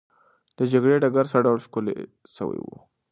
د جګړې ډګر څه ډول ښکلی سوی وو؟